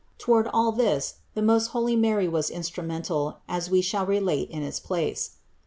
Toward all this the most holy Mary was instrumental, as we shall relate in its place (Vol.